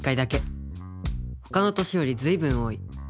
ほかの年よりずいぶん多い。